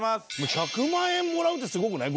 １００万円もらうってすごくない？